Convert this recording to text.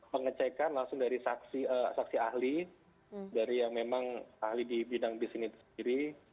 pengecekan langsung dari saksi ahli dari yang memang ahli di bidang bisnis ini sendiri